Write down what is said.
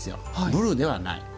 ブルーではない。